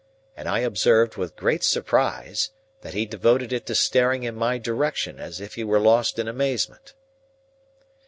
And I observed, with great surprise, that he devoted it to staring in my direction as if he were lost in amazement.